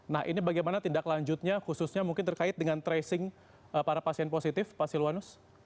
nah ini bagaimana tindak lanjutnya khususnya mungkin terkait dengan tracing para pasien positif pak silwanus